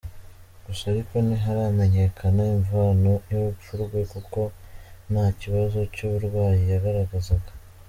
Gusa ariko ntiharamenyekana imvano y’urupfu rwe kuko nta kibazo cy’uburwayi yagaragazaga.